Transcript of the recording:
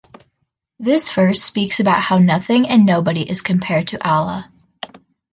This verse speaks about how nothing and nobody is comparable to Allah.